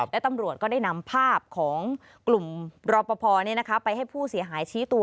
และตำรวจก็ได้นำภาพของกลุ่มรอปภไปให้ผู้เสียหายชี้ตัว